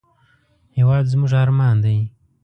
هېواد زموږ ارمان دی